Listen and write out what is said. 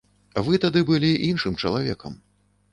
Вы тады былі іншым чалавекам.